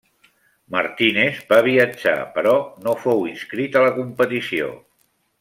Martínez va viatjar, però no fou inscrit a la competició.